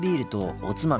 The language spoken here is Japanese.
おつまみ。